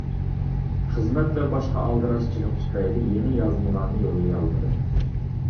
خىزمەت ۋە باشقا ئالدىراشچىلىق تۈپەيلى يېڭى يازمىلارنى يوللىيالمىدىم.